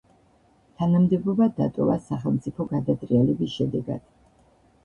თანამდებობა დატოვა სახელმწიფო გადატრიალების შედეგად.